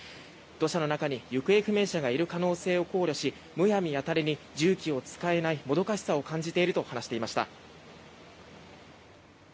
土砂の中に行方不明者がいる可能性を考慮しむやみやたらに重機を使えないもどかしさを感じていると話していました。